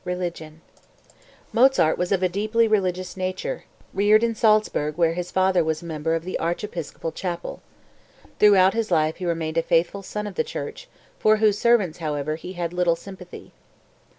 RELIGION Mozart was of a deeply religious nature, reared in Salzburg where his father was a member of the archiepiscopal chapel. Throughout his life he remained a faithful son of the church, for whose servants, however, he had little sympathy.